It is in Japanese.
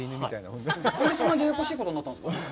何でそんなややこしいことになったんですか。